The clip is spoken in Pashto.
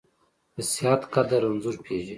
د صحت قدر رنځور پېژني .